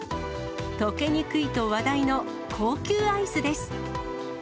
溶けにくいと話題の高級アイスです。